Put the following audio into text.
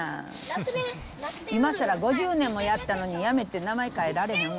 今さら５０年もやったのに、やめて、名前変えられへんわ。